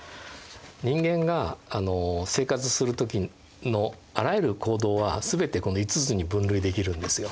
人間が生活する時のあらゆる行動は全てこの５つに分類できるんですよ